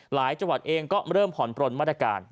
จังหวัดเองก็เริ่มผ่อนปลนมาตรการ